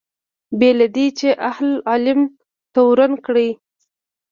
بې له دې چې اهل علم تورن کړي.